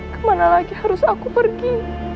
kemana lagi harus aku pergi